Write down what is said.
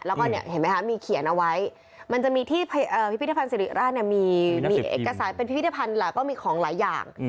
แล้วก็เนี่ยเห็นไหมคะมีเขียนเอาไว้มันจะมีที่พิพิธภัณฑ์สิริราชมีเอกสารมีชื่อแล้วก็หลายอย่าง